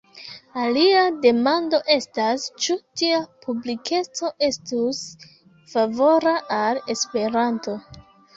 Alia demando estas, ĉu tia publikeco estus favora al Esperanto.